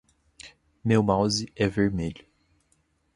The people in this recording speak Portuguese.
Meu mouse é vermelho